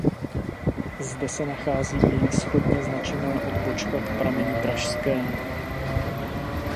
Zde se nachází její shodně značená odbočka k prameni Pražskému.